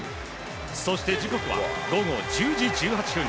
そして、時刻は午後１０時１８分。